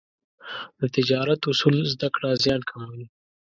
د تجارت اصول زده کړه، زیان کموي.